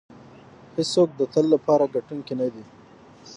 هېڅوک د تل لپاره ګټونکی نه دی.